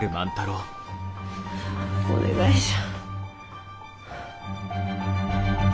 お願いじゃ。